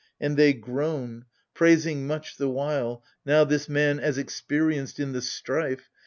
And they groan — praising much, the while. Now this man as experienced in the strife.